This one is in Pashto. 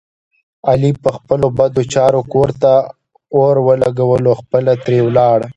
علي په خپلو بدو چارو کور ته اور ولږولو خپله ترې ولاړو.